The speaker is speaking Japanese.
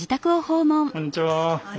こんにちは。